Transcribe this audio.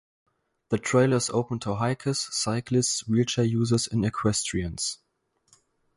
The trail is open to hikers, cyclists, wheelchair users and equestrians.